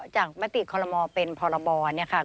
จากมติคอรมอเป็นพรบอนี่ค่ะ